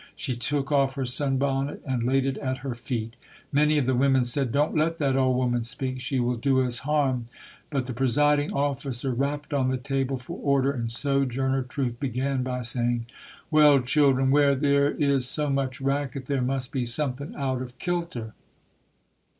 She took off her sun bonnet and laid it at her feet. Many of the women said, "Don't let that old woman speak. She will do us harm". But the presiding officer rapped on the table for order and "Sojourner Truth" began by saying, "Well, children, where there is so much racket there must be something out of kilter".